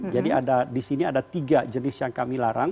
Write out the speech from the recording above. jadi ada di sini ada tiga jenis yang kami larang